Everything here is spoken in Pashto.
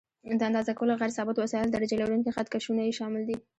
د اندازه کولو غیر ثابت وسایل: درجه لرونکي خط کشونه یې شامل دي.